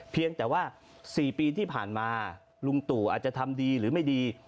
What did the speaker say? เพียงแต่ว่า๔ปีที่ผ่านมาลุงตู่อาจจะทำดีหรือไม่ดี